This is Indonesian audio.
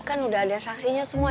kan udah ada saksinya semua